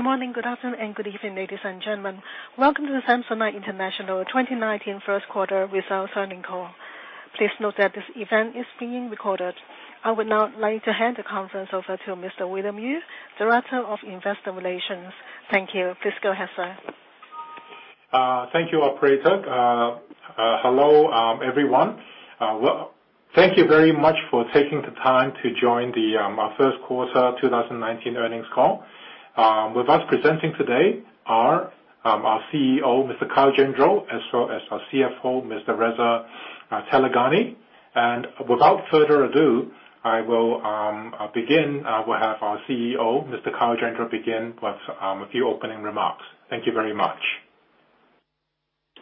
Good morning, good afternoon, and good evening, ladies and gentlemen. Welcome to the Samsonite International 2019 first quarter results earnings call. Please note that this event is being recorded. I would now like to hand the conference over to Mr. William Yue, Director of Investor Relations. Thank you. Please go ahead, sir. Thank you, operator. Hello, everyone. Thank you very much for taking the time to join our first quarter 2019 earnings call. With us presenting today are our CEO, Mr. Kyle Gendreau, as well as our CFO, Mr. Reza Taleghani. Without further ado, I will begin. We will have our CEO, Mr. Kyle Gendreau, begin with a few opening remarks. Thank you very much.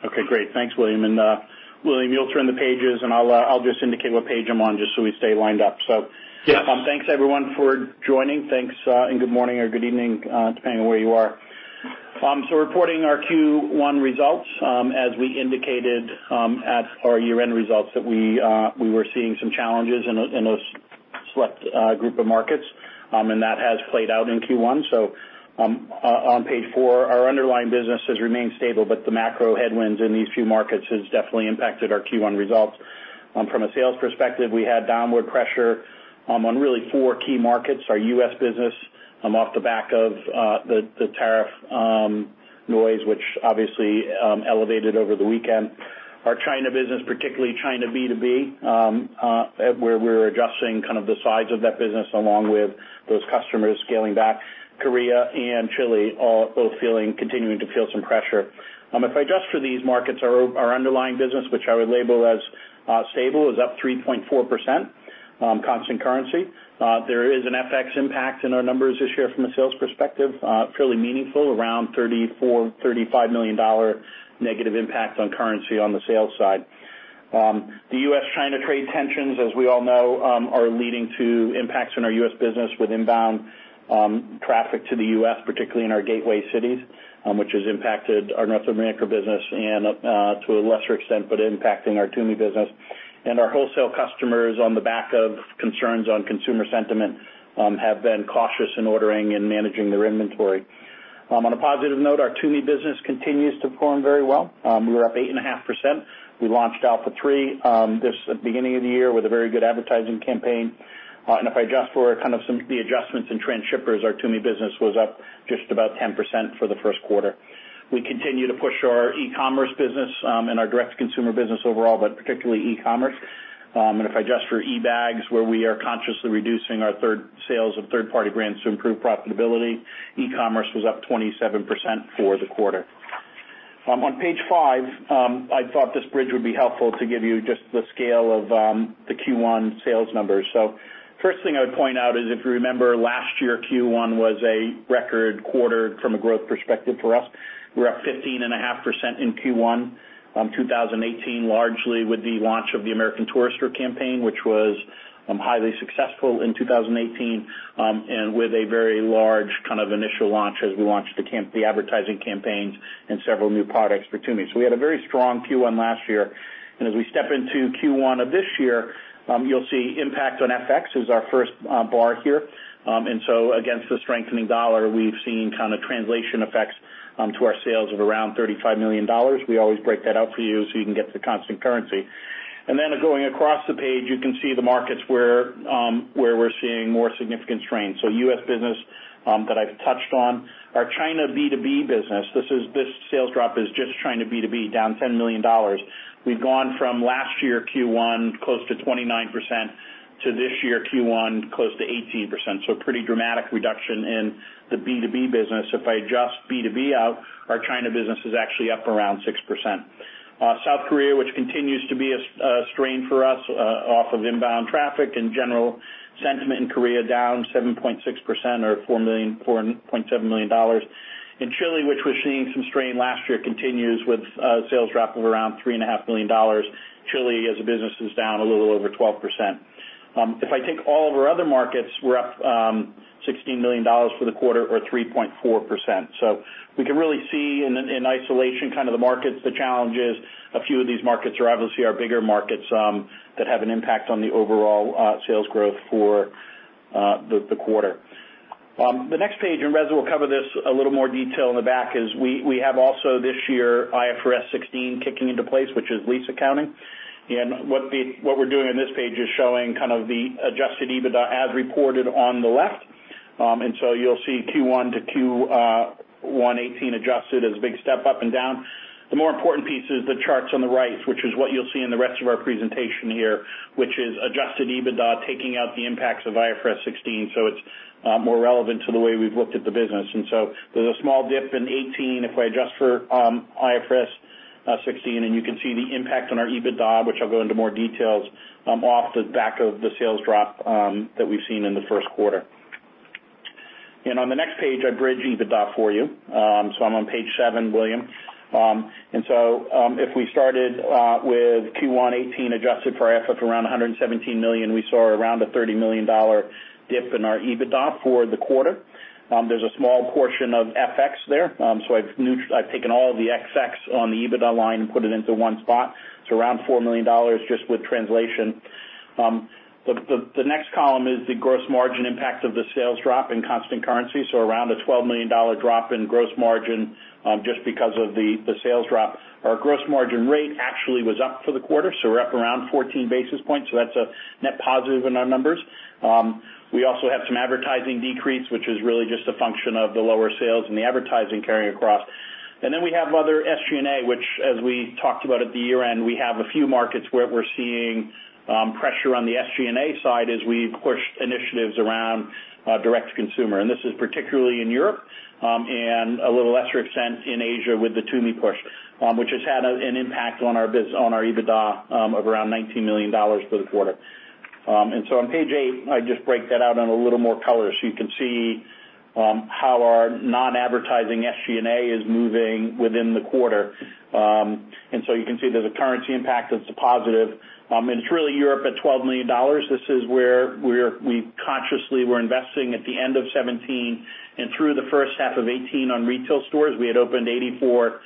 Okay, great. Thanks, William. William, you will turn the pages and I will just indicate what page I am on just so we stay lined up. Yes. Thanks, everyone, for joining. Thanks, good morning or good evening, depending on where you are. Reporting our Q1 results. As we indicated at our year-end results, that we were seeing some challenges in those select group of markets, and that has played out in Q1. On page four, our underlying business has remained stable, but the macro headwinds in these few markets has definitely impacted our Q1 results. From a sales perspective, we had downward pressure on really four key markets, our U.S. business, off the back of the tariff noise, which obviously elevated over the weekend. Our China business, particularly China B2B, where we are adjusting the size of that business along with those customers scaling back. Korea and Chile are both continuing to feel some pressure. If I adjust for these markets, our underlying business, which I would label as stable, is up 3.4%, constant currency. There is an FX impact in our numbers this year from a sales perspective, fairly meaningful, around $34 million-$35 million negative impact on currency on the sales side. The U.S.-China trade tensions, as we all know, are leading to impacts on our U.S. business with inbound traffic to the U.S., particularly in our gateway cities, which has impacted our North America business and, to a lesser extent, but impacting our Tumi business. Our wholesale customers on the back of concerns on consumer sentiment have been cautious in ordering and managing their inventory. On a positive note, our Tumi business continues to perform very well. We were up 8.5%. We launched Alpha 3 this beginning of the year with a very good advertising campaign. If I adjust for some of the adjustments in transshippers, our Tumi business was up just about 10% for the first quarter. We continue to push our e-commerce business and our direct-to-consumer business overall, but particularly e-commerce. If I adjust for eBags, where we are consciously reducing our sales of third-party brands to improve profitability, e-commerce was up 27% for the quarter. On page five, I thought this bridge would be helpful to give you just the scale of the Q1 sales numbers. First thing I would point out is, if you remember last year, Q1 was a record quarter from a growth perspective for us. We were up 15.5% in Q1 2018, largely with the launch of the American Tourister campaign, which was highly successful in 2018, and with a very large initial launch as we launched the advertising campaigns and several new products for Tumi. We had a very strong Q1 last year. As we step into Q1 of this year, you'll see impact on FX is our first bar here. Against the strengthening dollar, we've seen translation effects to our sales of around $35 million. We always break that out for you so you can get the constant currency. Going across the page, you can see the markets where we're seeing more significant strain. U.S. business that I've touched on. Our China B2B business, this sales drop is just China B2B, down $10 million. We've gone from last year Q1 close to 29% to this year Q1 close to 18%, so pretty dramatic reduction in the B2B business. If I adjust B2B out, our China business is actually up around 6%. South Korea, which continues to be a strain for us off of inbound traffic and general sentiment in Korea, down 7.6% or $4.7 million. In Chile, which we're seeing some strain last year, continues with a sales drop of around $3.5 million. Chile as a business is down a little over 12%. If I take all of our other markets, we're up $16 million for the quarter or 3.4%. We can really see in isolation the markets, the challenges. A few of these markets are obviously our bigger markets that have an impact on the overall sales growth for the quarter. The next page, Reza will cover this a little more detail in the back, is we have also this year IFRS 16 kicking into place, which is lease accounting. What we're doing on this page is showing the adjusted EBITDA as reported on the left. You'll see Q1 to Q1 2018 adjusted as a big step up and down. The more important piece is the charts on the right, which is what you will see in the rest of our presentation here, which is adjusted EBITDA taking out the impacts of IFRS 16. It is more relevant to the way we have looked at the business. There is a small dip in 2018 if I adjust for IFRS 16, and you can see the impact on our EBITDA, which I will go into more details off the back of the sales drop that we have seen in the first quarter. On the next page, I bridge EBITDA for you. I am on page seven, William Yue. If we started with Q1 2018 adjusted for IFRS around $117 million, we saw around a $30 million dip in our EBITDA for the quarter. There is a small portion of FX there. I have taken all the FX on the EBITDA line and put it into one spot. It is around $4 million just with translation. The next column is the gross margin impact of the sales drop in constant currency. Around a $12 million drop in gross margin, just because of the sales drop. Our gross margin rate actually was up for the quarter, so we are up around 14 basis points. That is a net positive in our numbers. We also have some advertising decreases, which is really just a function of the lower sales and the advertising carrying across. We have other SG&A, which, as we talked about at the year-end, we have a few markets where we are seeing pressure on the SG&A side as we have pushed initiatives around direct-to-consumer. This is particularly in Europe, and a little less extent in Asia with the Tumi push, which has had an impact on our EBITDA of around $19 million for the quarter. On page eight, I just break that out in a little more color so you can see how our non-advertising SG&A is moving within the quarter. You can see there is a currency impact that is a positive. It is really Europe at $12 million. This is where we consciously were investing at the end of 2017 and through the first half of 2018 on retail stores. We had opened 84 stores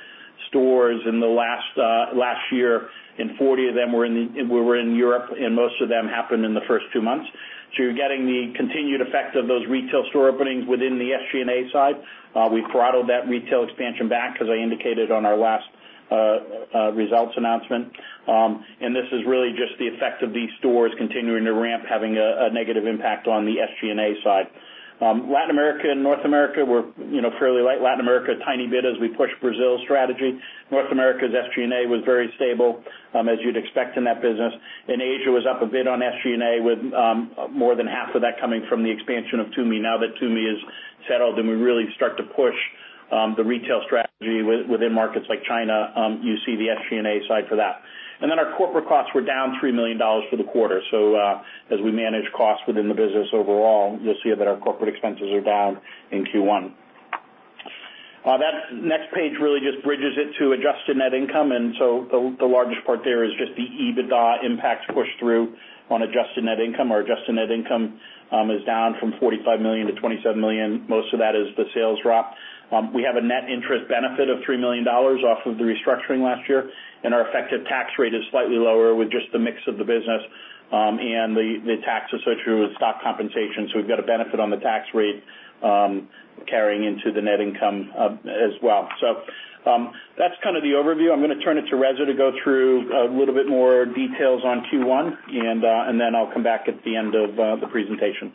in the last year, and 40 of them were in Europe, and most of them happened in the first two months. You are getting the continued effect of those retail store openings within the SG&A side. We throttled that retail expansion back, as I indicated on our last results announcement. This is really just the effect of these stores continuing to ramp, having a negative impact on the SG&A side. Latin America and North America were fairly light. Latin America, a tiny bit as we push Brazil's strategy. North America's SG&A was very stable, as you would expect in that business. Asia was up a bit on SG&A, with more than half of that coming from the expansion of Tumi. Now that Tumi is settled and we really start to push the retail strategy within markets like China, you see the SG&A side for that. Our corporate costs were down $3 million for the quarter. As we manage costs within the business overall, you will see that our corporate expenses are down in Q1. That next page really just bridges it to adjusted net income. The largest part there is just the EBITDA impact push-through on adjusted net income. Our adjusted net income is down from $45 million to $27 million. Most of that is the sales drop. We have a net interest benefit of $3 million off of the restructuring last year, and our effective tax rate is slightly lower with just the mix of the business. The tax associated with stock compensation. We've got a benefit on the tax rate carrying into the net income as well. That's the overview. I'm going to turn it to Reza to go through a little bit more details on Q1, and then I'll come back at the end of the presentation.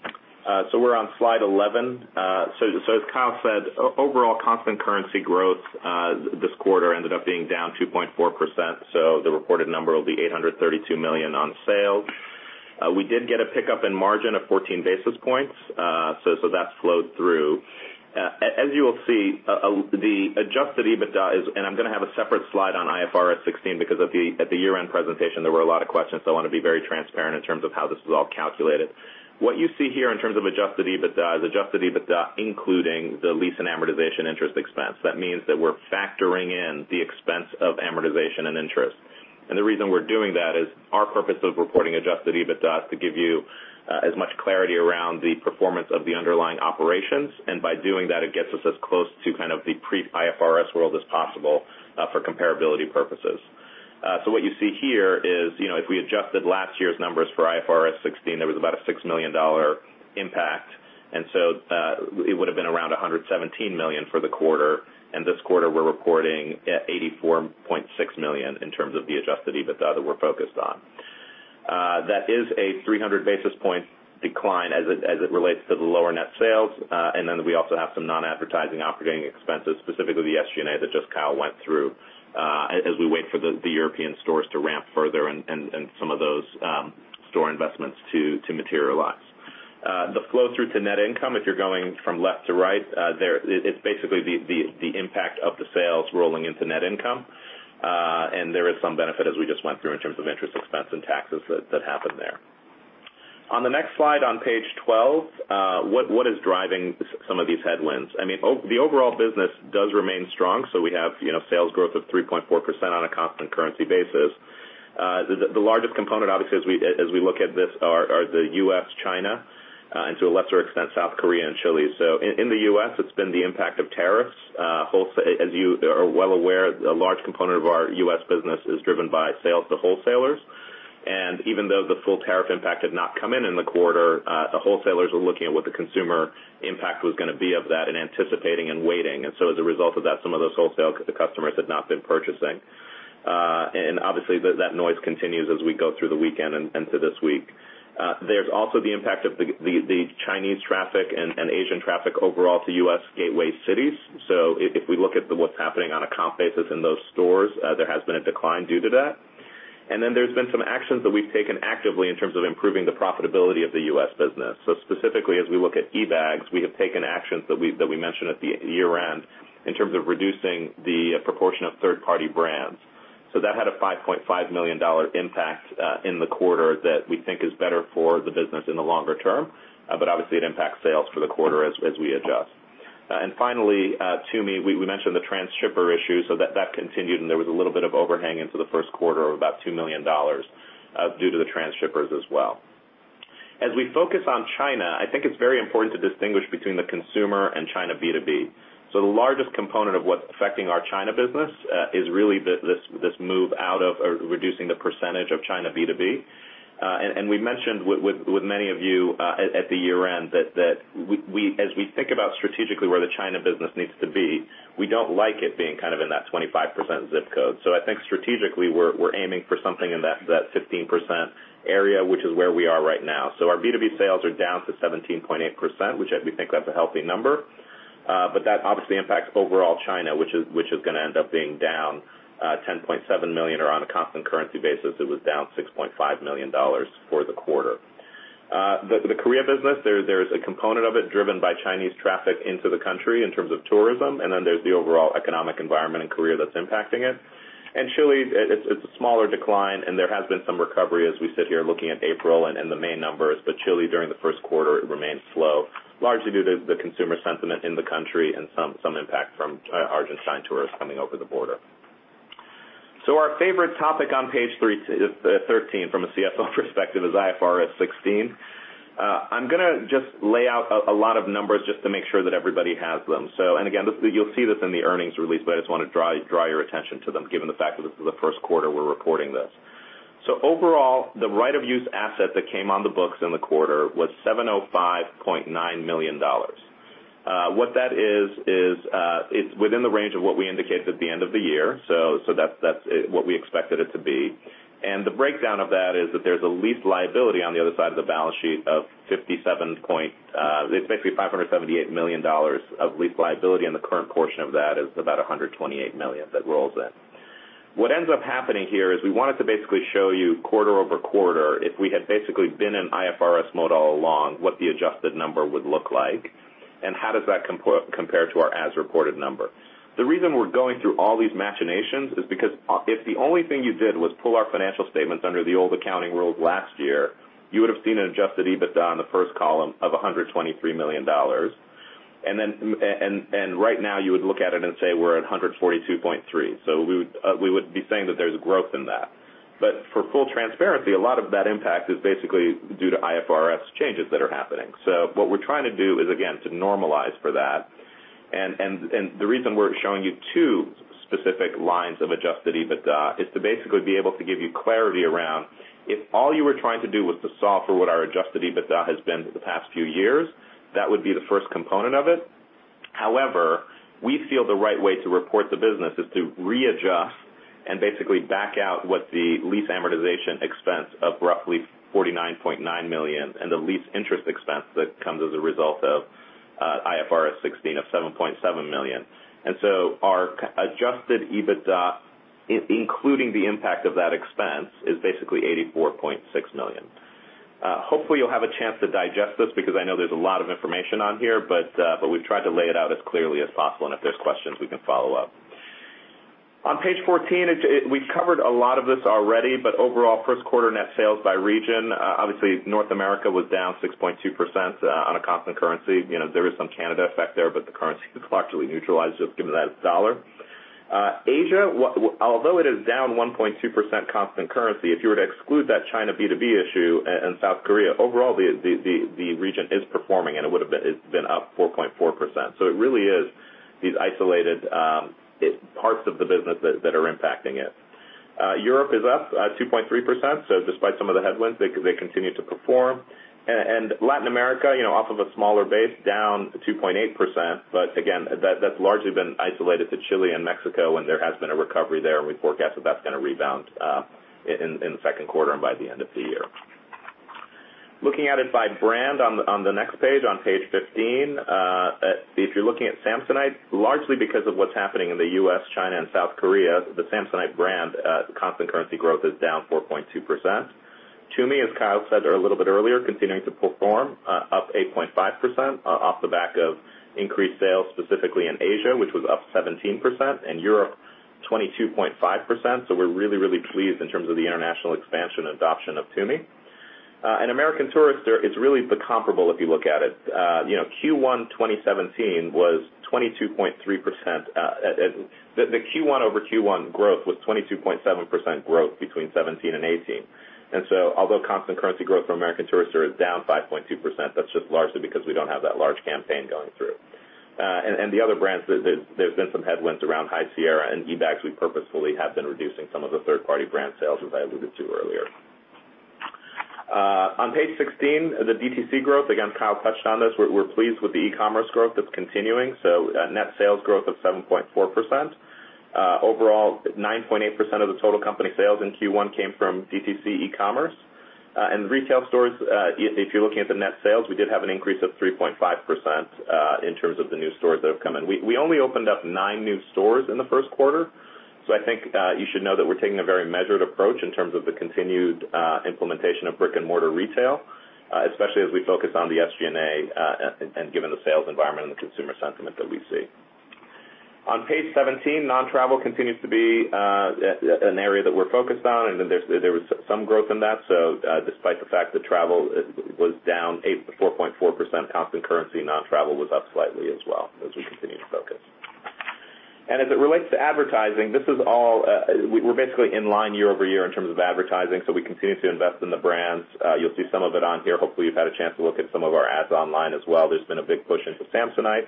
We're on slide 11. As Kyle said, overall constant currency growth this quarter ended up being down 2.4%, the reported number will be $832 million on sales. We did get a pickup in margin of 14 basis points, that's flowed through. As you will see, the adjusted EBITDA is, and I'm going to have a separate slide on IFRS 16 because at the year-end presentation, there were a lot of questions. I want to be very transparent in terms of how this was all calculated. What you see here in terms of adjusted EBITDA, is adjusted EBITDA including the lease and amortization interest expense. That means that we're factoring in the expense of amortization and interest. The reason we're doing that is our purpose of reporting adjusted EBITDA is to give you as much clarity around the performance of the underlying operations. By doing that, it gets us as close to the pre-IFRS world as possible for comparability purposes. What you see here is, if we adjusted last year's numbers for IFRS 16, there was about a $6 million impact. It would've been around $117 million for the quarter. This quarter, we're reporting at $84.6 million in terms of the adjusted EBITDA that we're focused on. That is a 300 basis point decline as it relates to the lower net sales. We also have some non-advertising operating expenses, specifically the SG&A that just Kyle went through, as we wait for the European stores to ramp further and some of those store investments to materialize. The flow-through to net income, if you're going from left to right, it's basically the impact of the sales rolling into net income. There is some benefit, as we just went through, in terms of interest expense and taxes that happened there. On the next slide on page 12, what is driving some of these headwinds? I mean, the overall business does remain strong, we have sales growth of 3.4% on a constant currency basis. The largest component, obviously, as we look at this, are the U.S., China, and to a lesser extent, South Korea and Chile. In the U.S., it's been the impact of tariffs. As you are well aware, a large component of our U.S. business is driven by sales to wholesalers. Even though the full tariff impact did not come in in the quarter, the wholesalers were looking at what the consumer impact was going to be of that and anticipating and waiting. As a result of that, some of those wholesale customers had not been purchasing. Obviously, that noise continues as we go through the weekend and into this week. There is also the impact of the Chinese traffic and Asian traffic overall to U.S. gateway cities. If we look at what is happening on a comp basis in those stores, there has been a decline due to that. Then there has been some actions that we have taken actively in terms of improving the profitability of the U.S. business. Specifically, as we look at eBags, we have taken actions that we mentioned at the year-end in terms of reducing the proportion of third-party brands. That had a $5.5 million impact in the quarter that we think is better for the business in the longer term. Obviously, it impacts sales for the quarter as we adjust. Finally, Tumi, we mentioned the transshipper issue, so that continued, and there was a little bit of overhang into the first quarter of about $2 million due to the transshippers as well. As we focus on China, I think it is very important to distinguish between the consumer and China B2B. The largest component of what is affecting our China business is really this move out of reducing the percentage of China B2B. We mentioned with many of you at the year-end that as we think about strategically where the China business needs to be, we do not like it being in that 25% ZIP code. I think strategically, we are aiming for something in that 15% area, which is where we are right now. Our B2B sales are down to 17.8%, which we think that is a healthy number. That obviously impacts overall China, which is going to end up being down $10.7 million, or on a constant currency basis, it was down $6.5 million for the quarter. The Korea business, there is a component of it driven by Chinese traffic into the country in terms of tourism, and then there is the overall economic environment in Korea that is impacting it. Chile, it is a smaller decline, and there has been some recovery as we sit here looking at April and the May numbers, but Chile during the first quarter, it remained slow, largely due to the consumer sentiment in the country and some impact from Argentine tourists coming over the border. Our favorite topic on page 13 from a CFO perspective is IFRS 16. I am going to just lay out a lot of numbers just to make sure that everybody has them. Again, you will see this in the earnings release, but I just want to draw your attention to them, given the fact that this is the first quarter we are reporting this. Overall, the right of use asset that came on the books in the quarter was $705.9 million. What that is it is within the range of what we indicated at the end of the year, so that is what we expected it to be. The breakdown of that is that there is a lease liability on the other side of the balance sheet of basically $578 million of lease liability, and the current portion of that is about $128 million that rolls in. What ends up happening here is we wanted to basically show you quarter-over-quarter, if we had basically been in IFRS all along, what the adjusted number would look like, and how does that compare to our as-reported number. The reason we're going through all these machinations is because if the only thing you did was pull our financial statements under the old accounting rules last year, you would have seen an adjusted EBITDA in the first column of $123 million. Right now, you would look at it and say we're at $142.3 million. We would be saying that there's growth in that. For full transparency, a lot of that impact is basically due to IFRS changes that are happening. What we're trying to do is, again, to normalize for that. The reason we're showing you two specific lines of adjusted EBITDA is to basically be able to give you clarity around, if all you were trying to do was to solve for what our adjusted EBITDA has been for the past few years, that would be the first component of it. However, we feel the right way to report the business is to readjust and basically back out what the lease amortization expense of roughly $49.9 million and the lease interest expense that comes as a result of IFRS 16 of $17.7 million. Our adjusted EBITDA, including the impact of that expense, is basically $84.6 million. Hopefully, you'll have a chance to digest this because I know there's a lot of information on here, but we've tried to lay it out as clearly as possible, and if there's questions, we can follow up. On page 14, we covered a lot of this already, but overall, first quarter net sales by region, obviously North America was down 6.2% on a constant currency. There is some Canada effect there, but the currency is partially neutralized just given that it's dollar. Asia, although it is down 1.2% constant currency, if you were to exclude that China B2B issue and South Korea, overall, the region is performing, and it would've been up 4.4%. It really is these isolated parts of the business that are impacting it. Europe is up 2.3%, despite some of the headwinds, they continue to perform. Latin America, off of a smaller base, down 2.8%, but again, that's largely been isolated to Chile and Mexico, and there has been a recovery there, and we forecast that that's going to rebound in the second quarter and by the end of the year. Looking at it by brand on the next page, on page 15, if you're looking at Samsonite, largely because of what's happening in the U.S., China, and South Korea, the Samsonite brand constant currency growth is down 4.2%. Tumi, as Kyle said there a little bit earlier, continuing to perform, up 8.5% off the back of increased sales, specifically in Asia, which was up 17%, and Europe 22.5%. We're really, really pleased in terms of the international expansion and adoption of Tumi. American Tourister is really comparable if you look at it. The Q1-over-Q1 growth was 22.7% growth between 2017 and 2018. Although constant currency growth for American Tourister is down 5.2%, that's just largely because we don't have that large campaign going through. The other brands, there's been some headwinds around High Sierra, and eBags, we purposefully have been reducing some of the third-party brand sales, as I alluded to earlier. On page 16, the DTC growth, again, Kyle touched on this. We're pleased with the e-commerce growth that's continuing, so net sales growth of 7.4%. Overall, 9.8% of the total company sales in Q1 came from DTC e-commerce. Retail stores, if you're looking at the net sales, we did have an increase of 3.5% in terms of the new stores that have come in. We only opened up nine new stores in the first quarter, so I think you should know that we're taking a very measured approach in terms of the continued implementation of brick-and-mortar retail, especially as we focus on the SG&A and given the sales environment and the consumer sentiment that we see. On page 17, non-travel continues to be an area that we're focused on, and there was some growth in that. Despite the fact that travel was down 4.4% constant currency, non-travel was up slightly as well as we continue to focus. As it relates to advertising, we're basically in line year-over-year in terms of advertising, so we continue to invest in the brands. You'll see some of it on here. Hopefully, you've had a chance to look at some of our ads online as well. There's been a big push into Samsonite.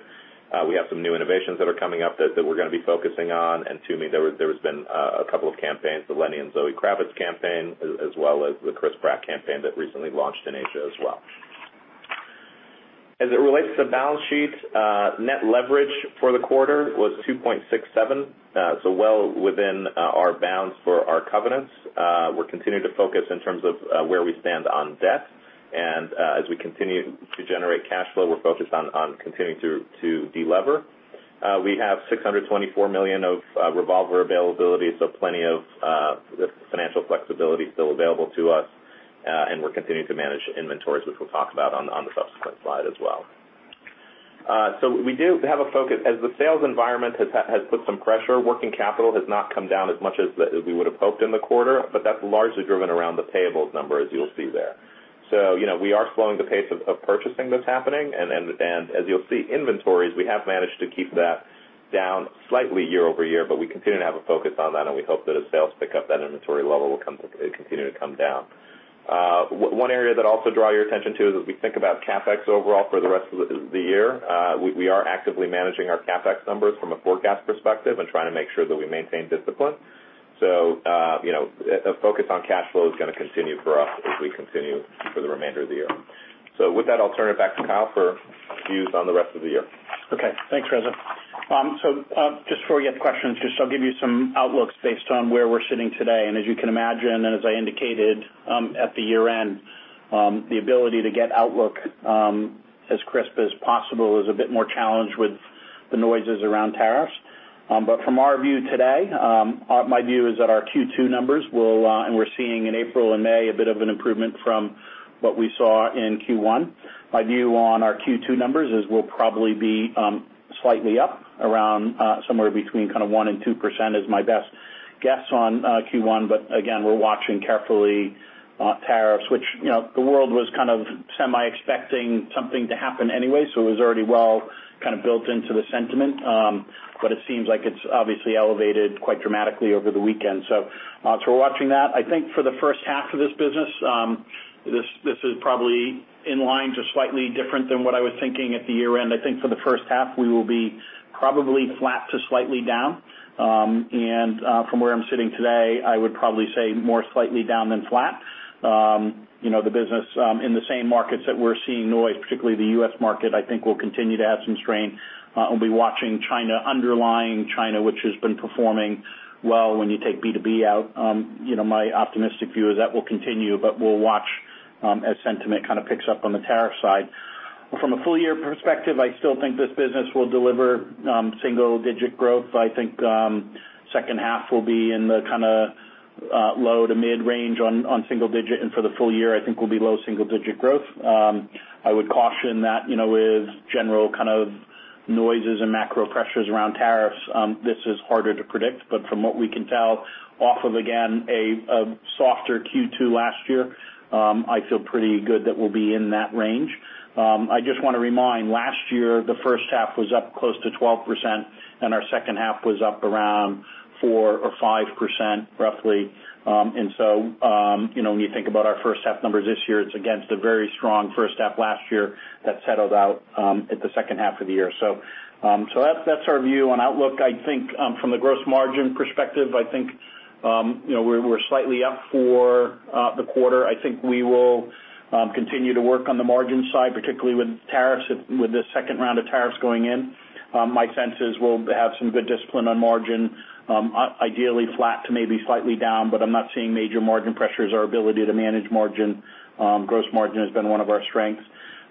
We have some new innovations that are coming up that we're going to be focusing on. Tumi, there's been a couple of campaigns, the Lenny and Zoë Kravitz campaign, as well as the Chris Pratt campaign that recently launched in Asia as well. As it relates to the balance sheet, net leverage for the quarter was 2.67, so well within our bounds for our covenants. We're continuing to focus in terms of where we stand on debt. As we continue to generate cash flow, we're focused on continuing to de-lever. We have $624 million of revolver availability, so plenty of financial flexibility still available to us, and we're continuing to manage inventories, which we'll talk about on the subsequent slide as well. We do have a focus. As the sales environment has put some pressure, working capital has not come down as much as we would've hoped in the quarter, but that's largely driven around the payables number as you'll see there. We are slowing the pace of purchasing that's happening, and as you'll see, inventories, we have managed to keep that down slightly year-over-year, but we continue to have a focus on that, and we hope that as sales pick up, that inventory level will continue to come down. One area that I'll also draw your attention to, as we think about CapEx overall for the rest of the year, we are actively managing our CapEx numbers from a forecast perspective and trying to make sure that we maintain discipline. A focus on cash flow is going to continue for us as we continue for the remainder of the year. With that, I'll turn it back to Kyle for views on the rest of the year. Okay, thanks, Reza. Just before we get to questions, I'll give you some outlooks based on where we're sitting today. As you can imagine, as I indicated at the year-end, the ability to get outlook as crisp as possible is a bit more challenged with the noises around tariffs. From our view today. We're seeing in April and May a bit of an improvement from what we saw in Q1. My view on our Q2 numbers is we'll probably be slightly up, around somewhere between 1% and 2% is my best guess on Q1. Again, we're watching carefully tariffs, which the world was semi-expecting something to happen anyway, so it was already well built into the sentiment. It seems like it's obviously elevated quite dramatically over the weekend. As we're watching that, I think for the first half of this business, this is probably in line to slightly different than what I was thinking at the year-end. I think for the first half, we will be probably flat to slightly down. From where I'm sitting today, I would probably say more slightly down than flat. The business in the same markets that we're seeing noise, particularly the U.S. market, I think will continue to have some strain. We'll be watching China, underlying China, which has been performing well when you take B2B out. My optimistic view is that will continue, but we'll watch as sentiment picks up on the tariff side. From a full-year perspective, I still think this business will deliver single-digit growth. I think second half will be in the low to mid-range on single digit, and for the full year, I think we'll be low single digit growth. I would caution that with general kind of noises and macro pressures around tariffs, this is harder to predict. From what we can tell off of, again, a softer Q2 last year, I feel pretty good that we'll be in that range. I just want to remind, last year, the first half was up close to 12%, and our second half was up around 4% or 5%, roughly. When you think about our first half numbers this year, it's against a very strong first half last year that settled out at the second half of the year. That's our view on outlook. I think from the gross margin perspective, I think we're slightly up for the quarter. I think we will continue to work on the margin side, particularly with tariffs, with this second round of tariffs going in. My sense is we'll have some good discipline on margin, ideally flat to maybe slightly down, but I'm not seeing major margin pressures. Our ability to manage margin, gross margin has been one of our strengths.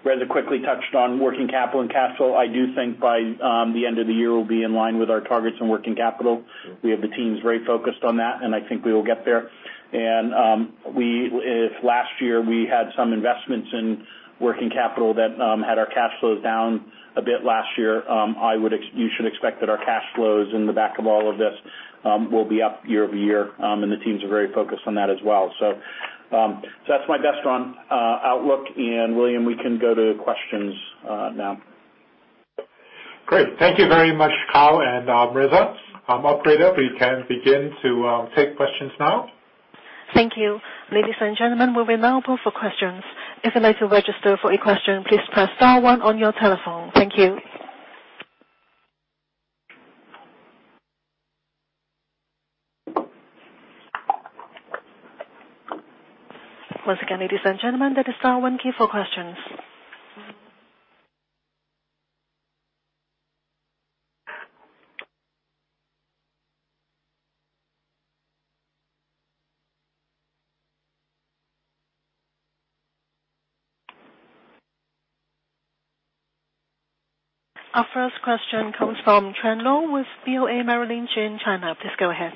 Reza quickly touched on working capital and cash flow. I do think by the end of the year, we'll be in line with our targets in working capital. We have the teams very focused on that, and I think we will get there. If last year we had some investments in working capital that had our cash flows down a bit last year, you should expect that our cash flows in the back of all of this will be up year-over-year. The teams are very focused on that as well. That's my best on outlook, William, we can go to questions now. Great. Thank you very much, Kyle and Reza. Operator, we can begin to take questions now. Thank you. Ladies and gentlemen, we'll be now open for questions. If you'd like to register for a question, please press star one on your telephone. Thank you. Once again, ladies and gentlemen, that is star one key for questions. Our first question comes from Trent Lo with BofA Merrill Lynch. Please go ahead.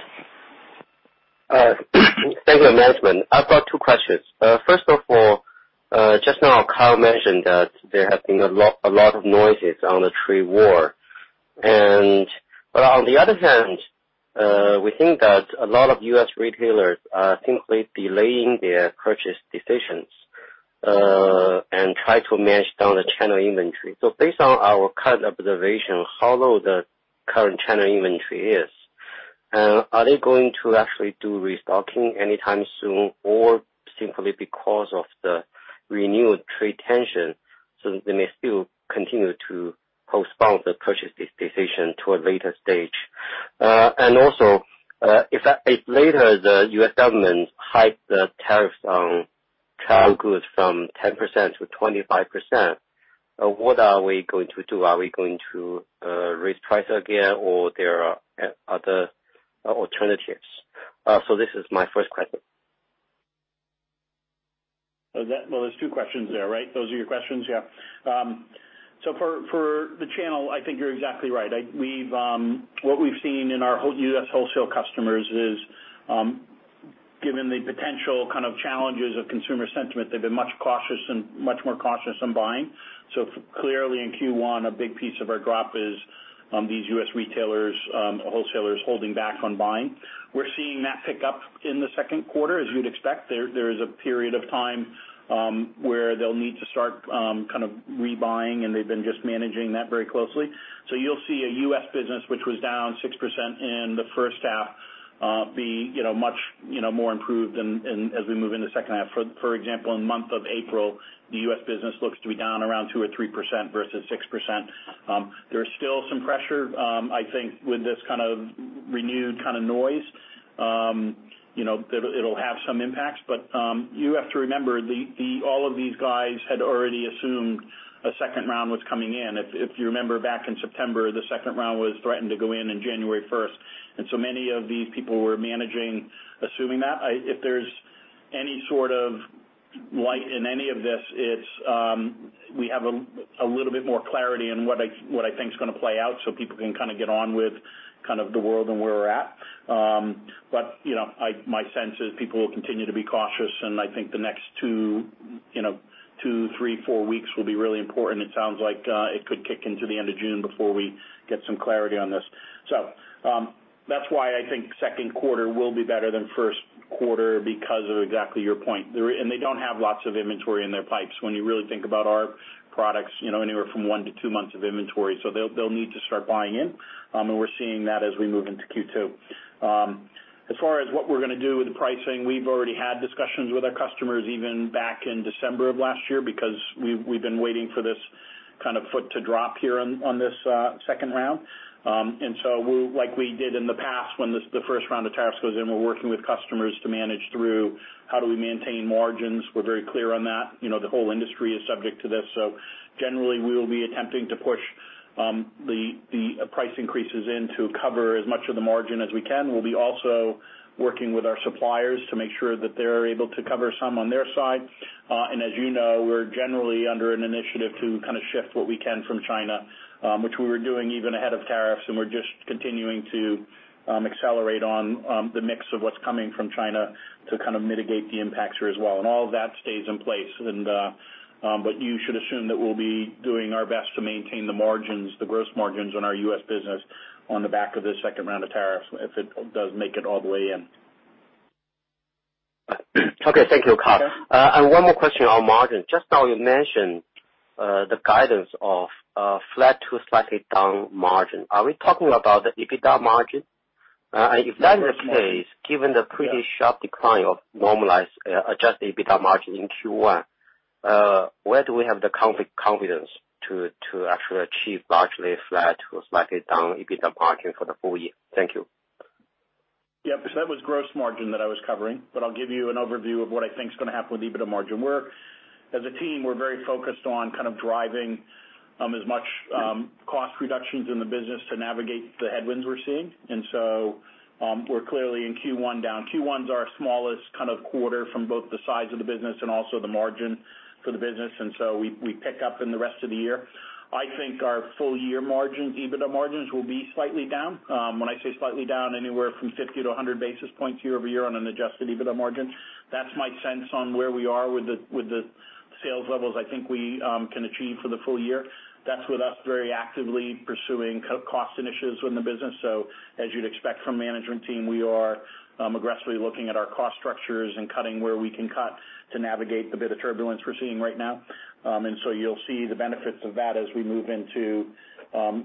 Thank you, management. I've got two questions. First of all, just now Kyle mentioned that there have been a lot of noises on the trade war. On the other hand, we think that a lot of U.S. retailers are simply delaying their purchase decisions and try to manage down the channel inventory. Based on our current observation, how low the current channel inventory is, and are they going to actually do restocking anytime soon, or simply because of the renewed trade tension, they may still continue to postpone the purchase decision to a later stage? Also, if later the U.S. government hikes the tariffs on China goods from 10%-25%, what are we going to do? Are we going to raise price again, or there are other alternatives? This is my first question. There's two questions there, right? Those are your questions, yeah. For the channel, I think you're exactly right. What we've seen in our U.S. wholesale customers is, given the potential kind of challenges of consumer sentiment, they've been much more cautious on buying. Clearly in Q1, a big piece of our drop is these U.S. retailers, wholesalers holding back on buying. We're seeing that pick up in the second quarter, as you'd expect. There is a period of time where they'll need to start rebuying, and they've been just managing that very closely. You'll see a U.S. business which was down 6% in the first half be much more improved as we move into the second half. For example, in the month of April, the U.S. business looks to be down around 2% or 3% versus 6%. There's still some pressure. I think with this kind of renewed kind of noise, it'll have some impacts. You have to remember, all of these guys had already assumed a second round was coming in. If you remember back in September, the second round was threatened to go in on January 1st. Many of these people were managing assuming that. If there's any sort of light in any of this, it's we have a little bit more clarity in what I think is going to play out so people can kind of get on with the world and where we're at. My sense is people will continue to be cautious, and I think the next two, three, four weeks will be really important. It sounds like it could kick into the end of June before we get some clarity on this. That's why I think second quarter will be better than first quarter because of exactly your point. They don't have lots of inventory in their pipes. When you really think about our products, anywhere from one to two months of inventory. They'll need to start buying in. We're seeing that as we move into Q2. As far as what we're going to do with the pricing, we've already had discussions with our customers even back in December of last year, because we've been waiting for this kind of foot to drop here on this second round. Like we did in the past when the first round of tariffs goes in, we're working with customers to manage through how do we maintain margins. We're very clear on that. The whole industry is subject to this. Generally, we will be attempting to push the price increases in to cover as much of the margin as we can. We'll be also working with our suppliers to make sure that they're able to cover some on their side. As you know, we're generally under an initiative to kind of shift what we can from China, which we were doing even ahead of tariffs, and we're just continuing to accelerate on the mix of what's coming from China to kind of mitigate the impacts here as well. All of that stays in place. You should assume that we'll be doing our best to maintain the margins, the gross margins on our U.S. business on the back of this second round of tariffs, if it does make it all the way in. Okay. Thank you, Kyle. Yeah. One more question on margin. Just now you mentioned the guidance of flat to slightly down margin. Are we talking about the EBITDA margin? If that is the case. Yes Given the pretty sharp decline of normalized adjusted EBITDA margin in Q1, where do we have the confidence to actually achieve largely flat to slightly down EBITDA margin for the full year? Thank you. Yeah, that was gross margin that I was covering, but I'll give you an overview of what I think is going to happen with EBITDA margin. As a team, we're very focused on kind of driving as much cost reductions in the business to navigate the headwinds we're seeing. We're clearly in Q1 down. Q1's our smallest quarter from both the size of the business and also the margin for the business. We pick up in the rest of the year. I think our full year margins, EBITDA margins, will be slightly down. When I say slightly down, anywhere from 50-100 basis points year-over-year on an adjusted EBITDA margin. That's my sense on where we are with the sales levels I think we can achieve for the full year. That's with us very actively pursuing cost initiatives within the business. As you'd expect from management team, we are aggressively looking at our cost structures and cutting where we can cut to navigate the bit of turbulence we're seeing right now. You'll see the benefits of that as we move into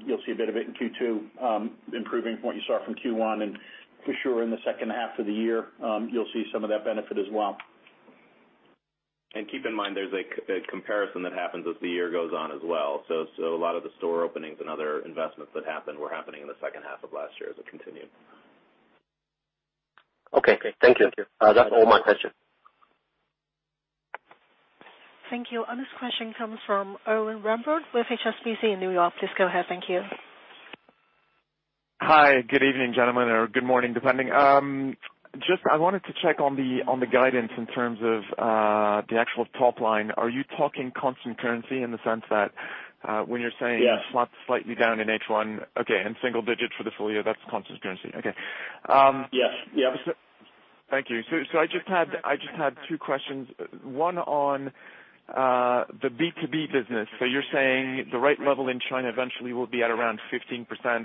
You'll see a bit of it in Q2 improving from what you saw from Q1. For sure, in the second half of the year, you'll see some of that benefit as well. Keep in mind, there's a comparison that happens as the year goes on as well. A lot of the store openings and other investments that happened were happening in the second half of last year as it continued. Okay. Thank you. Thank you. That's all my questions. Thank you. This question comes from Owen Rambert with HSBC in New York. Please go ahead. Thank you. Hi. Good evening, gentlemen, or good morning, depending. Just I wanted to check on the guidance in terms of the actual top line. Are you talking constant currency in the sense that when you're saying- Yes flat to slightly down in H1, okay, and single digit for the full year, that's constant currency. Okay. Yes. Yep. Thank you. I just had two questions, one on the B2B business. You're saying the right level in China eventually will be at around 15%?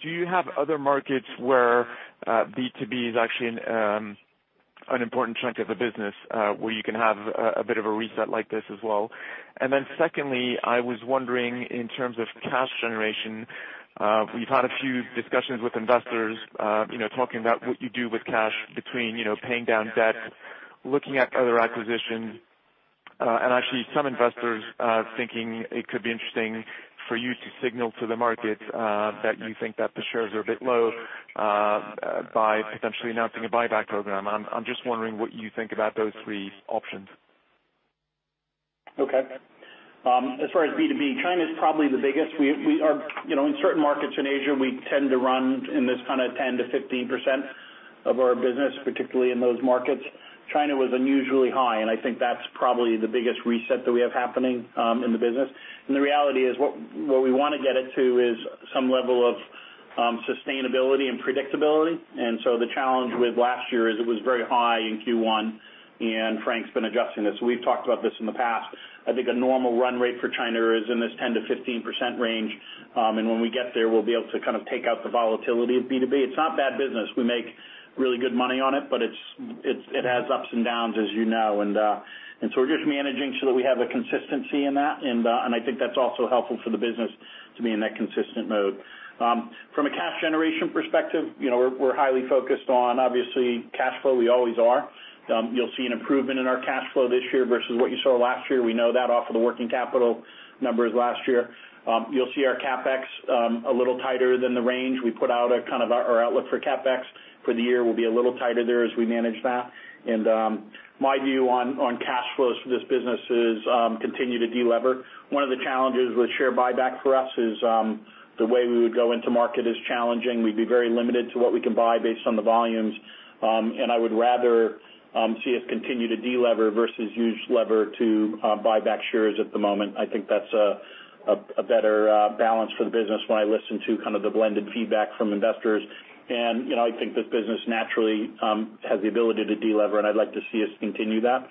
Do you have other markets where B2B is actually an important chunk of the business, where you can have a bit of a reset like this as well? Secondly, I was wondering in terms of cash generation, we've had a few discussions with investors talking about what you do with cash between paying down debt, looking at other acquisitions, and actually some investors thinking it could be interesting for you to signal to the market that you think that the shares are a bit low by potentially announcing a buyback program. I'm just wondering what you think about those three options. As far as B2B, China's probably the biggest. In certain markets in Asia, we tend to run in this kind of 10%-15% of our business, particularly in those markets. China was unusually high, and I think that's probably the biggest reset that we have happening in the business. The reality is, what we want to get it to is some level of sustainability and predictability. The challenge with last year is it was very high in Q1, and Frank's been adjusting this. We've talked about this in the past. I think a normal run rate for China is in this 10%-15% range. When we get there, we'll be able to take out the volatility of B2B. It's not bad business. We make really good money on it, but it has ups and downs, as you know. We're just managing so that we have a consistency in that, and I think that's also helpful for the business to be in that consistent mode. From a cash generation perspective, we're highly focused on, obviously, cash flow. We always are. You'll see an improvement in our cash flow this year versus what you saw last year. We know that off of the working capital numbers last year. You'll see our CapEx a little tighter than the range. We put out our outlook for CapEx for the year. We'll be a little tighter there as we manage that. My view on cash flows for this business is continue to de-lever. One of the challenges with share buyback for us is the way we would go into market is challenging. We'd be very limited to what we can buy based on the volumes. I would rather see us continue to de-lever versus use leverage to buy back shares at the moment. I think that's a better balance for the business when I listen to the blended feedback from investors. I think this business naturally has the ability to de-lever, and I'd like to see us continue that.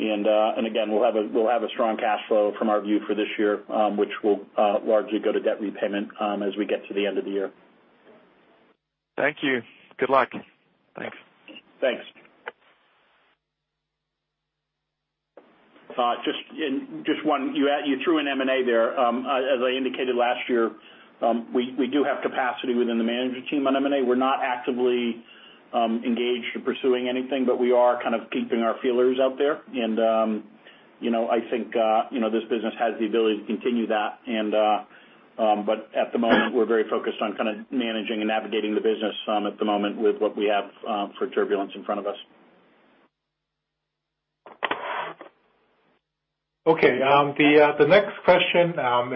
Again, we'll have a strong cash flow from our view for this year, which will largely go to debt repayment as we get to the end of the year. Thank you. Good luck. Thanks. Thanks. Just one, you threw in M&A there. As I indicated last year, we do have capacity within the management team on M&A. We're not actively engaged in pursuing anything, but we are kind of keeping our feelers out there. I think this business has the ability to continue that. At the moment, we're very focused on managing and navigating the business at the moment with what we have for turbulence in front of us. Okay. The next question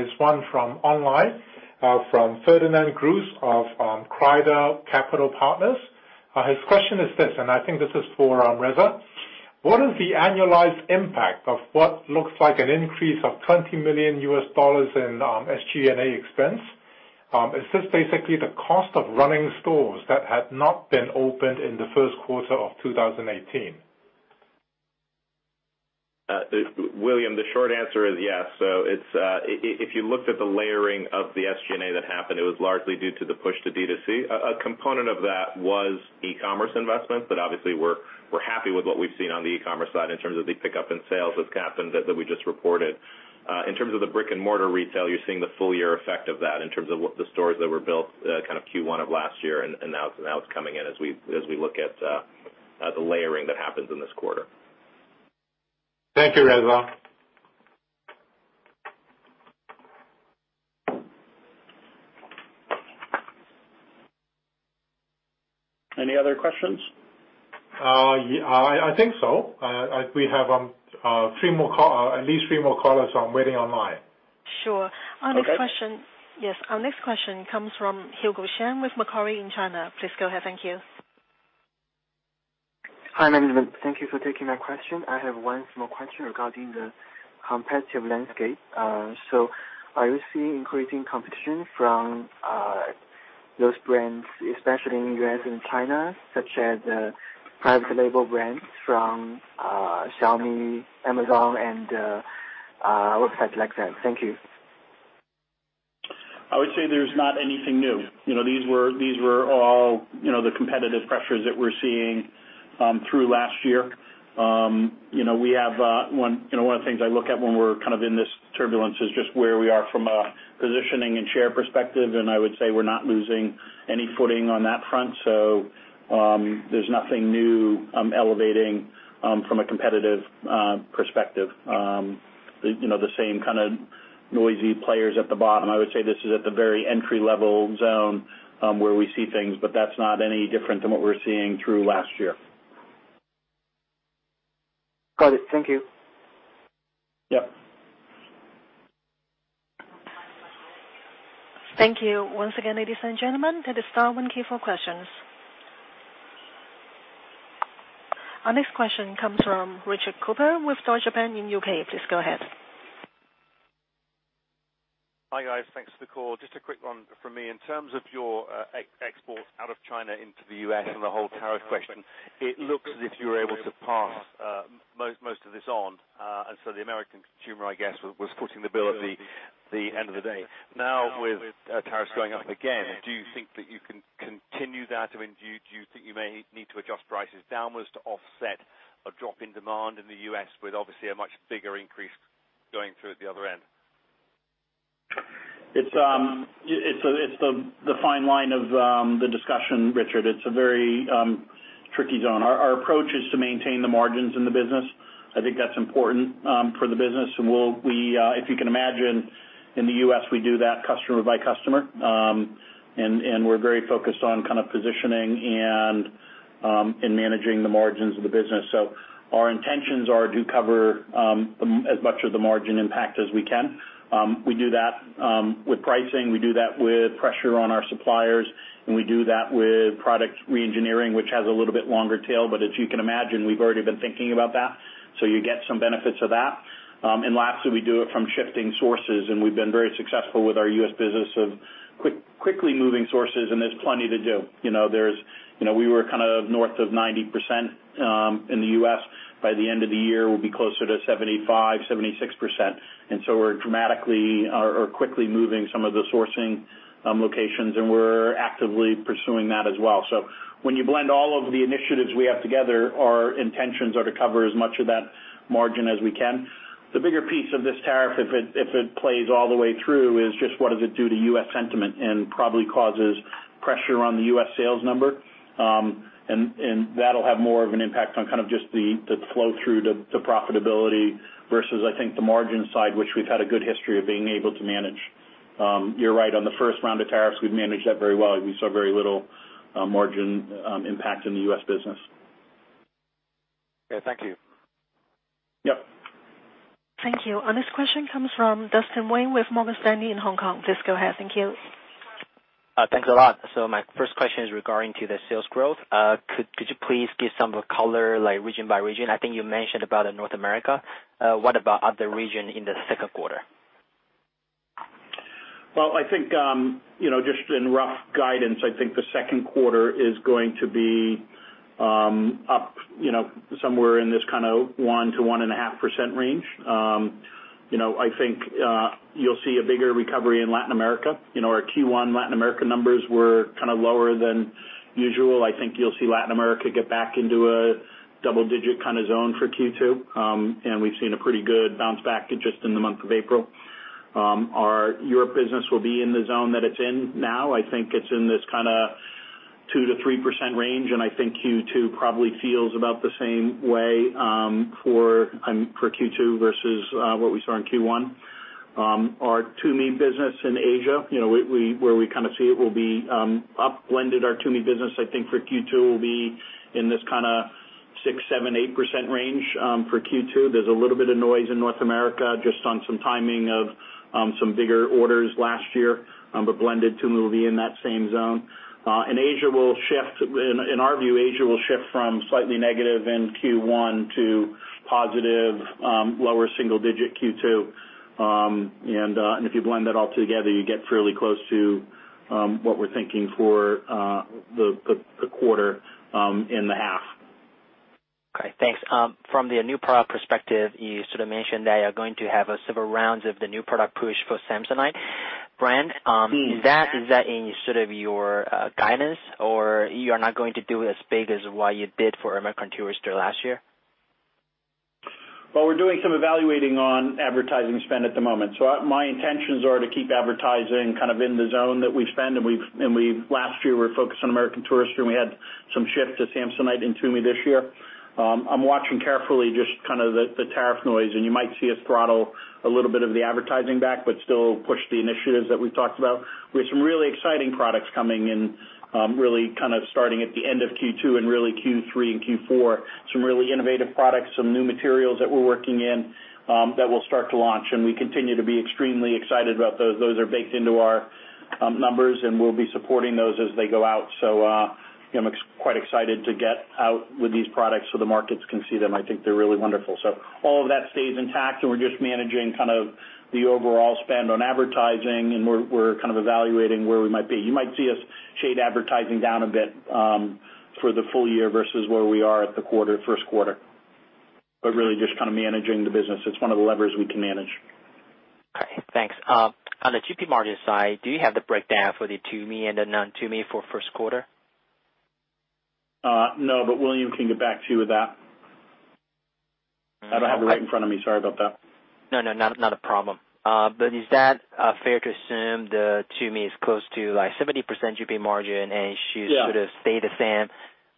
is one from online from Ferdinand Groos of Cryder Capital Partners. His question is this, and I think this is for Reza. What is the annualized impact of what looks like an increase of $20 million in SG&A expense? Is this basically the cost of running stores that had not been opened in the first quarter of 2018? William, the short answer is yes. If you looked at the layering of the SG&A that happened, it was largely due to the push to D2C. A component of that was e-commerce investments, but obviously we're happy with what we've seen on the e-commerce side in terms of the pickup in sales that's happened that we just reported. In terms of the brick-and-mortar retail, you're seeing the full-year effect of that in terms of the stores that were built Q1 of last year and now it's coming in as we look at the layering that happens in this quarter. Thank you, Reza. Any other questions? I think so. We have at least three more callers waiting online. Sure. Okay. Our next question comes from Hugo Shen with Macquarie in China. Please go ahead. Thank you. Hi, gentlemen. Thank you for taking my question. I have one small question regarding the competitive landscape. Are you seeing increasing competition from those brands, especially in U.S. and China, such as private label brands from Xiaomi, Amazon and websites like that? Thank you. I would say there's not anything new. These were all the competitive pressures that we're seeing through last year. One of the things I look at when we're in this turbulence is just where we are from a positioning and share perspective, I would say we're not losing any footing on that front. There's nothing new elevating from a competitive perspective. The same kind of noisy players at the bottom. I would say this is at the very entry-level zone where we see things, but that's not any different than what we were seeing through last year. Got it. Thank you. Yep. Thank you once again, ladies and gentlemen. That is dial one key for questions. Our next question comes from Richard Cooper with Deutsche Bank in U.K. Please go ahead. Hi, guys. Thanks for the call. Just a quick one from me. In terms of your exports out of China into the U.S. and the whole tariff question, it looks as if you were able to pass most of this on. The American consumer, I guess, was footing the bill at the- The end of the day. Now with tariffs going up again, do you think that you can continue that? Or do you think you may need to adjust prices downwards to offset a drop in demand in the U.S. with obviously a much bigger increase going through at the other end? It's the fine line of the discussion, Richard. It's a very tricky zone. Our approach is to maintain the margins in the business. I think that's important for the business, and if you can imagine, in the U.S., we do that customer by customer. We're very focused on positioning and managing the margins of the business. Our intentions are to cover as much of the margin impact as we can. We do that with pricing, we do that with pressure on our suppliers, and we do that with product re-engineering, which has a little bit longer tail. As you can imagine, we've already been thinking about that, so you get some benefits of that. Lastly, we do it from shifting sources, and we've been very successful with our U.S. business of quickly moving sources, and there's plenty to do. We were north of 90% in the U.S. By the end of the year, we'll be closer to 75%, 76%. We're dramatically or quickly moving some of the sourcing locations, and we're actively pursuing that as well. When you blend all of the initiatives we have together, our intentions are to cover as much of that margin as we can. The bigger piece of this tariff, if it plays all the way through, is just what does it do to U.S. sentiment and probably causes pressure on the U.S. sales number. That'll have more of an impact on just the flow through to profitability versus, I think, the margin side, which we've had a good history of being able to manage. You're right. On the first round of tariffs, we've managed that very well. We saw very little margin impact in the U.S. business. Okay. Thank you. Yep. Thank you. Our next question comes from Dustin Wei with Morgan Stanley in Hong Kong. Please go ahead. Thank you. Thanks a lot. My first question is regarding to the sales growth. Could you please give some color, region by region? I think you mentioned about in North America. What about other region in the second quarter? Well, I think, just in rough guidance, I think the second quarter is going to be up somewhere in this 1%-1.5% range. I think you'll see a bigger recovery in Latin America. Our Q1 Latin America numbers were lower than usual. I think you'll see Latin America get back into a double digit zone for Q2. We've seen a pretty good bounce back just in the month of April. Our Europe business will be in the zone that it's in now. I think it's in this 2%-3% range, and I think Q2 probably feels about the same way for Q2 versus what we saw in Q1. Our Tumi business in Asia, where we see it will be up blended. Our Tumi business, I think for Q2, will be in this 6%, 7%, 8% range for Q2. There's a little bit of noise in North America just on some timing of some bigger orders last year. Blended Tumi will be in that same zone. In our view, Asia will shift from slightly negative in Q1 to positive lower single digit Q2. If you blend that all together, you get fairly close to what we're thinking for the quarter and the half. Okay, thanks. From the new product perspective, you sort of mentioned that you are going to have several rounds of the new product push for Samsonite brand. Is that in your sort of your guidance, or you are not going to do as big as what you did for American Tourister last year? We're doing some evaluating on advertising spend at the moment. My intentions are to keep advertising in the zone that we spend, and last year we were focused on American Tourister, and we had some shift to Samsonite and Tumi this year. I'm watching carefully just the tariff noise, and you might see us throttle a little bit of the advertising back, but still push the initiatives that we've talked about. We have some really exciting products coming in, really starting at the end of Q2 and really Q3 and Q4. Some really innovative products, some new materials that we're working in that we'll start to launch, and we continue to be extremely excited about those. Those are baked into our numbers, and we'll be supporting those as they go out. I'm quite excited to get out with these products so the markets can see them. I think they're really wonderful. All of that stays intact, and we're just managing the overall spend on advertising, and we're evaluating where we might be. You might see us shade advertising down a bit for the full year versus where we are at the first quarter. Really just managing the business. It's one of the levers we can manage. Okay, thanks. On the GP margin side, do you have the breakdown for the Tumi and the non-Tumi for first quarter? No, William can get back to you with that. All right. I don't have it right in front of me. Sorry about that. No, not a problem. Is that fair to assume the Tumi is close to 70% GP margin, and it should- Yeah sort of stay the same,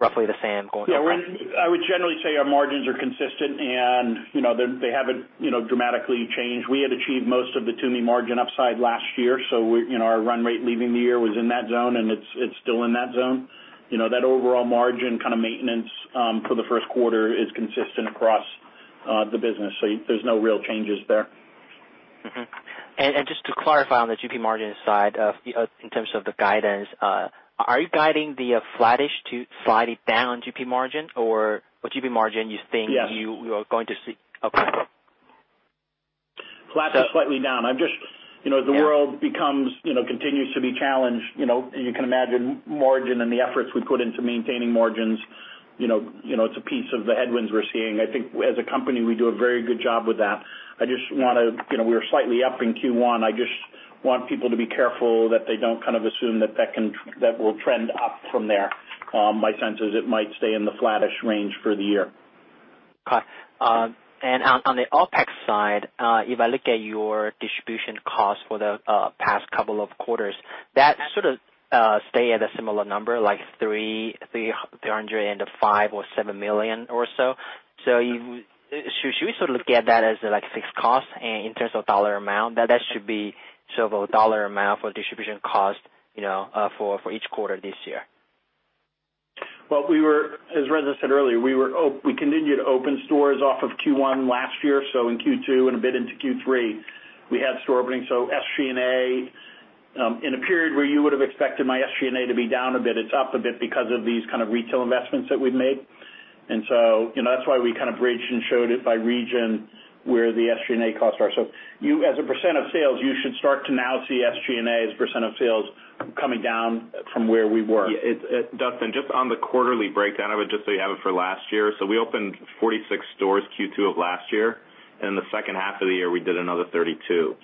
roughly the same going forward? Yeah. I would generally say our margins are consistent. They haven't dramatically changed. We had achieved most of the Tumi margin upside last year, so our run rate leaving the year was in that zone, and it's still in that zone. That overall margin maintenance for the first quarter is consistent across the business. There's no real changes there. Mm-hmm. Just to clarify on the GP margin side, in terms of the guidance, are you guiding the flattish to slightly down GP margin or what GP margin you think- Yes you are going to see? Okay. Flat to slightly down. Yeah. As the world continues to be challenged, you can imagine margin and the efforts we put into maintaining margins. It's a piece of the headwinds we're seeing. I think as a company, we do a very good job with that. We were slightly up in Q1. I just want people to be careful that they don't assume that will trend up from there. My sense is it might stay in the flattish range for the year. Okay. On the OpEx side, if I look at your distribution costs for the past couple of quarters, that sort of stay at a similar number, like $305 million or $307 million or so. Should we look at that as like fixed cost in terms of dollar amount? That should be sort of a dollar amount for distribution cost for each quarter this year. Well, as Reza said earlier, we continued to open stores off of Q1 last year. In Q2 and a bit into Q3, we had store opening. In a period where you would have expected my SG&A to be down a bit, it's up a bit because of these retail investments that we've made. That's why we bridged and showed it by region where the SG&A costs are. As a % of sales, you should start to now see SG&A as a % of sales coming down from where we were. Yeah. Dustin, just on the quarterly breakdown of it, just so you have it for last year. We opened 46 stores Q2 of last year, and in the second half of the year, we did another 32.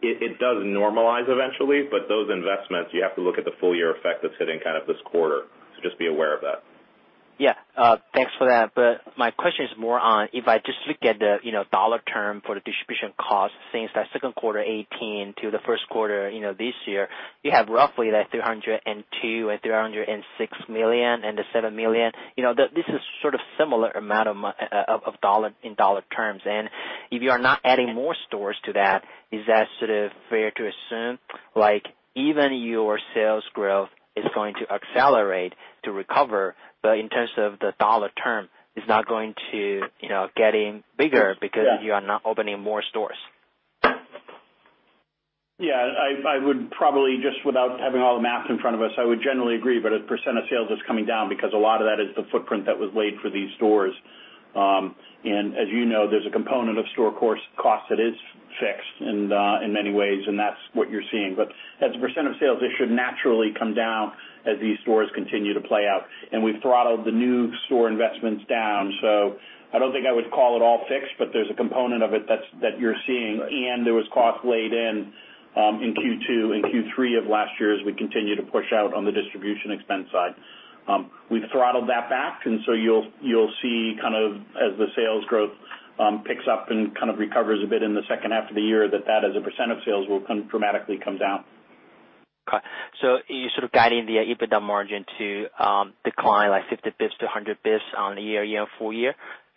It does normalize eventually, but those investments, you have to look at the full year effect that's hitting this quarter. Just be aware of that. Yeah. Thanks for that. My question is more on, if I just look at the dollar term for the distribution cost since that Q2 2018 to the Q1 this year. You have roughly that $302 million and $306 million and the $7 million. This is sort of similar amount in dollar terms. If you are not adding more stores to that, is that fair to assume even your sales growth is going to accelerate to recover, but in terms of the dollar term, is not going to getting bigger because you are not opening more stores. Probably just without having all the math in front of us, I would generally agree, but a percent of sales is coming down because a lot of that is the footprint that was laid for these stores. As you know, there's a component of store cost that is fixed in many ways, and that's what you're seeing. As a percent of sales, it should naturally come down as these stores continue to play out. We've throttled the new store investments down. I don't think I would call it all fixed, but there's a component of it that you're seeing. There was cost laid in Q2 and Q3 of last year as we continue to push out on the distribution expense side. We've throttled that back, you'll see as the sales growth picks up and recovers a bit in the second half of the year, that as a percent of sales will dramatically come down. You're sort of guiding the EBITDA margin to decline like 50 basis points to 100 basis points on a year-on-full year.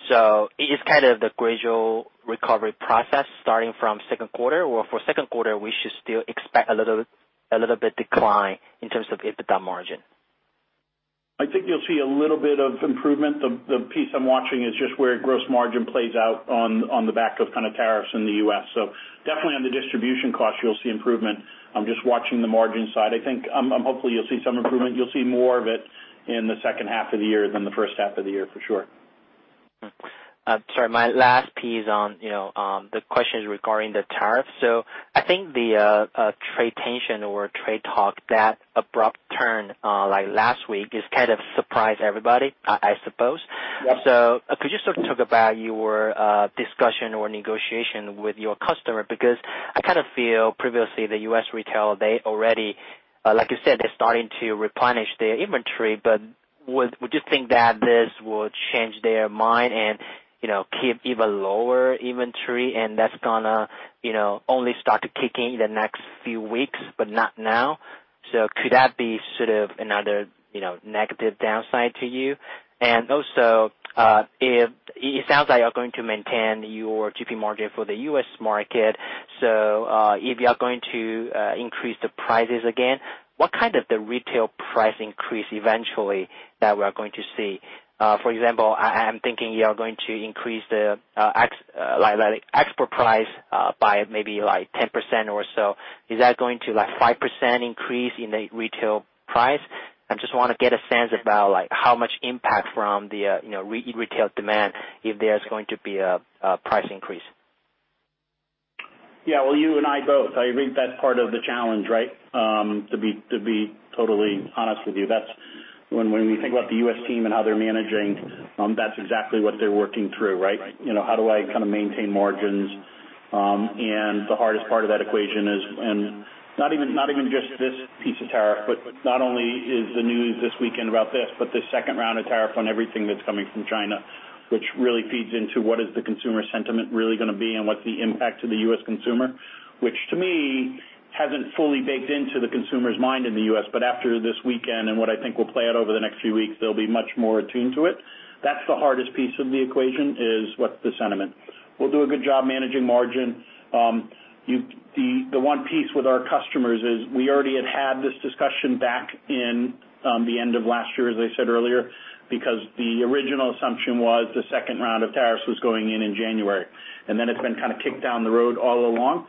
It's kind of the gradual recovery process starting from Q2, or for Q2, we should still expect a little bit decline in terms of EBITDA margin. I think you'll see a little bit of improvement. The piece I'm watching is just where gross margin plays out on the back of tariffs in the U.S. Definitely on the distribution cost, you'll see improvement. I'm just watching the margin side. Hopefully, you'll see some improvement. You'll see more of it in the second half of the year than the first half of the year, for sure. Sorry. My last piece on the questions regarding the tariffs. I think the trade tension or trade talk, that abrupt turn last week just surprised everybody, I suppose. Yep. Could you talk about your discussion or negotiation with your customer? Because I feel previously the U.S. retail, like you said, they're starting to replenish their inventory. Would you think that this will change their mind and keep even lower inventory and that's going to only start kicking in the next few weeks, but not now? Could that be another negative downside to you? And also, it sounds like you're going to maintain your GP margin for the U.S. market. If you're going to increase the prices again, what kind of the retail price increase eventually that we're going to see? For example, I am thinking you are going to increase the export price by maybe 10% or so. Is that going to 5% increase in the retail price? I just want to get a sense about how much impact from the retail demand, if there's going to be a price increase. Yeah. Well, you and I both. I agree that's part of the challenge, right? To be totally honest with you. When we think about the U.S. team and how they're managing, that's exactly what they're working through, right? How do I maintain margins? The hardest part of that equation is, not even just this piece of tariff, but not only is the news this weekend about this, but the second round of tariff on everything that's coming from China, which really feeds into what is the consumer sentiment really going to be and what's the impact to the U.S. consumer. Which to me, hasn't fully baked into the consumer's mind in the U.S., but after this weekend and what I think will play out over the next few weeks, they'll be much more attuned to it. That's the hardest piece of the equation is, what's the sentiment? We'll do a good job managing margin. The one piece with our customers is we already had this discussion back in the end of last year, as I said earlier. The original assumption was the second round of tariffs was going in in January, then it's been kicked down the road all along.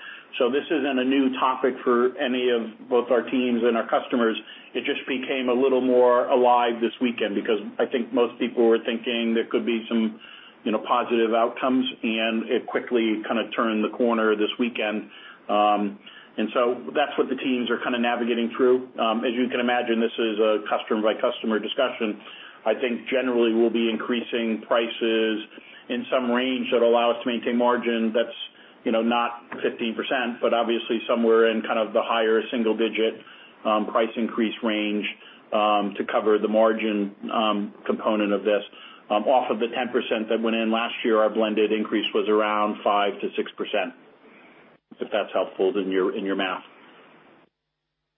This isn't a new topic for any of both our teams and our customers. It just became a little more alive this weekend because I think most people were thinking there could be some positive outcomes, and it quickly kind of turned the corner this weekend. That's what the teams are kind of navigating through. As you can imagine, this is a customer-by-customer discussion. I think generally we'll be increasing prices in some range that allow us to maintain margin that's not 15%, but obviously somewhere in kind of the higher single-digit price increase range to cover the margin component of this. Off of the 10% that went in last year, our blended increase was around 5%-6%, if that's helpful in your math.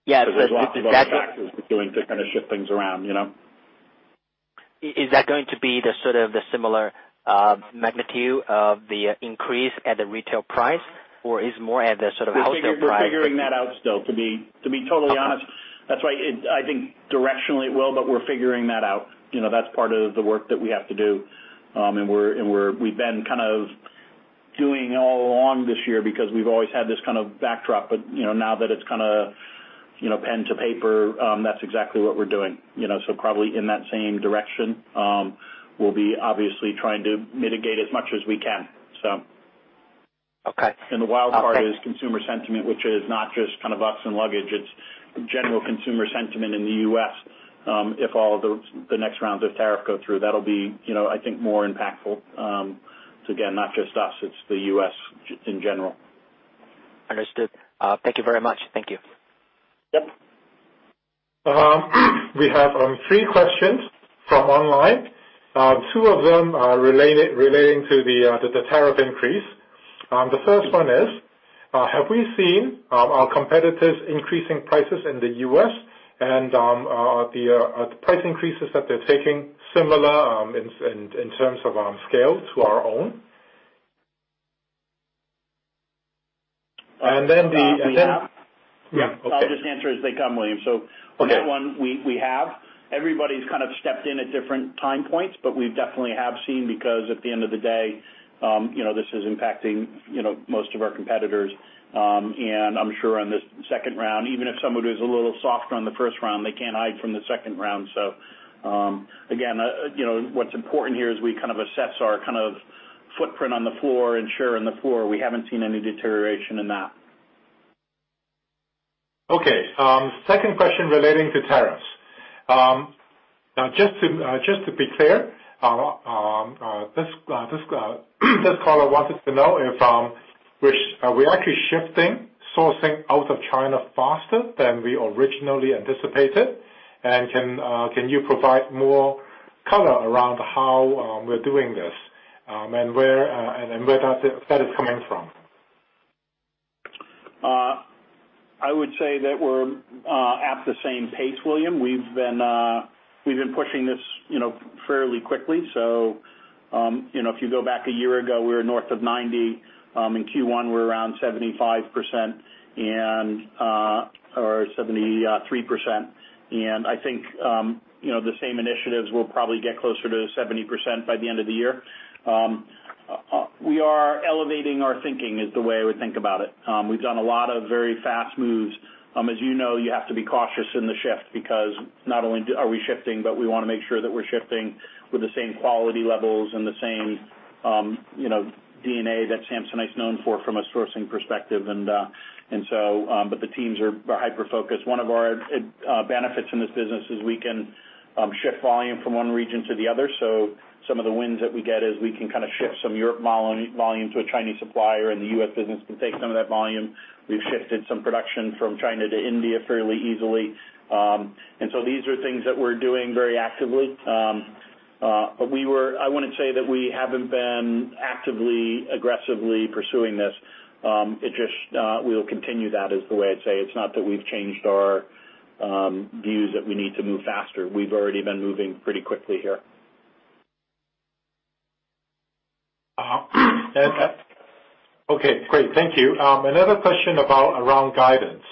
Yes. Is that- There's lots of other factors we're doing to kind of shift things around. Is that going to be the sort of the similar magnitude of the increase at the retail price, or is more at the sort of wholesale price? We're figuring that out still, to be totally honest. That's why I think directionally it will, but we're figuring that out. That's part of the work that we have to do. We've been kind of doing all along this year because we've always had this kind of backdrop, but now that it's kind of pen to paper, that's exactly what we're doing. Probably in that same direction. We'll be obviously trying to mitigate as much as we can. Okay. The wild card is consumer sentiment, which is not just kind of us and luggage, it's general consumer sentiment in the U.S. If all of the next rounds of tariff go through, that'll be I think more impactful. Again, not just us, it's the U.S. in general. Understood. Thank you very much. Thank you. Yep. We have three questions from online. Two of them are relating to the tariff increase. The first one is: have we seen our competitors increasing prices in the U.S., and are the price increases that they're taking similar in terms of scale to our own? We have. Yep. Okay. I'll just answer as they come, William. Okay. On that one, we have everybody's kind of stepped in at different time points, but we definitely have seen because at the end of the day, this is impacting most of our competitors. I'm sure on this second round, even if someone was a little softer on the first round, they can't hide from the second round. Again, what's important here is we kind of assess our footprint on the floor and share in the floor. We haven't seen any deterioration in that. Okay. Second question relating to tariffs. Just to be clear, this caller wanted to know if we're actually shifting sourcing out of China faster than we originally anticipated, and can you provide more color around how we're doing this, and where that is coming from? I would say that we're at the same pace, William. We've been pushing this fairly quickly. If you go back a year ago, we were north of 90%. In Q1, we were around 75% or 73%. I think the same initiatives will probably get closer to 70% by the end of the year. We are elevating our thinking is the way I would think about it. We've done a lot of very fast moves. As you know, you have to be cautious in the shift because not only are we shifting, but we want to make sure that we're shifting with the same quality levels and the same DNA that Samsonite's known for from a sourcing perspective. The teams are hyper-focused. One of our benefits in this business is we can shift volume from one region to the other. Some of the wins that we get is we can shift some Europe volume to a Chinese supplier, and the U.S. business can take some of that volume. We've shifted some production from China to India fairly easily. These are things that we're doing very actively. I wouldn't say that we haven't been actively, aggressively pursuing this. We'll continue that, is the way I'd say. It's not that we've changed our views that we need to move faster. We've already been moving pretty quickly here. Okay, great. Thank you. Another question around guidance.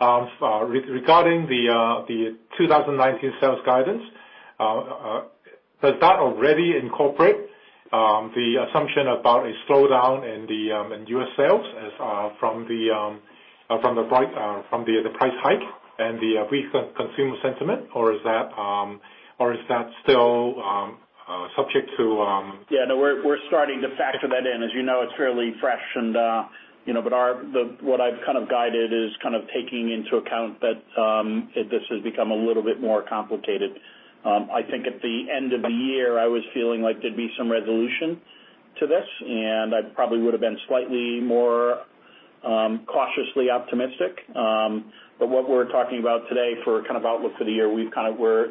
Regarding the 2019 sales guidance, does that already incorporate the assumption about a slowdown in U.S. sales from the price hike and the recent consumer sentiment, or is that still subject to? We're starting to factor that in. As you know, it's fairly fresh, but what I've kind of guided is taking into account that this has become a little bit more complicated. I think at the end of the year, I was feeling like there'd be some resolution to this, and I probably would've been slightly more cautiously optimistic. What we're talking about today for kind of outlook for the year,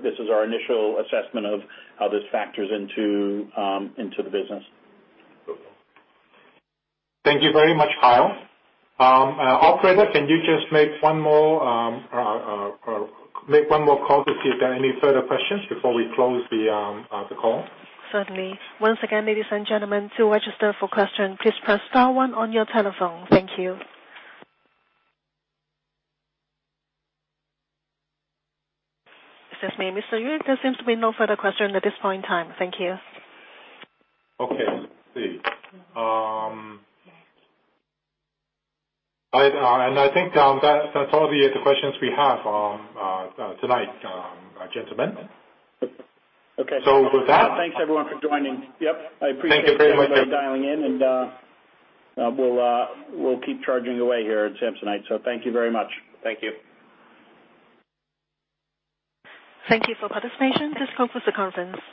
this is our initial assessment of how this factors into the business. Thank you very much, Kyle. Operator, can you just make one more call to see if there are any further questions before we close the call? Certainly. Once again, ladies and gentlemen, to register for question, please press star one on your telephone. Thank you. This is Amy. There seems to be no further question at this point in time. Thank you. Okay. Let's see. I think that's all the questions we have tonight, gentlemen. Okay. With that. Thanks, everyone, for joining. Yep. I appreciate everybody dialing in, and we'll keep charging away here at Samsonite. Thank you very much. Thank you. Thank you for participation. This concludes the conference.